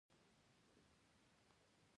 افغانستان له کندهار ولایت څخه ډک هیواد دی.